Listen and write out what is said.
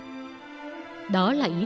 đó là ý đồ của người pháp